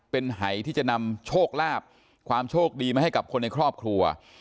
เป็นหายที่จะนำโชคลาภความโชคดีมาให้กับคนในครอบครัว